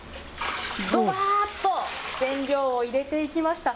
どばーっと染料を入れていきました。